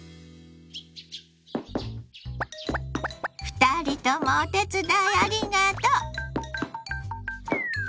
２人ともお手伝いありがとう。